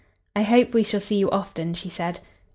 "I hope we shall see you often," she said.